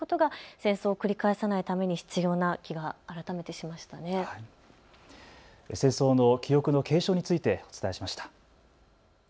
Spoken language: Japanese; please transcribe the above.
戦争の記憶の継承についてお伝えしました。